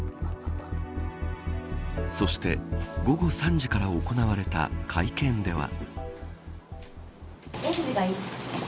そして午後３時から行われた会見では。